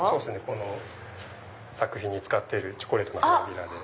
この作品に使っているチョコレートの花びらで。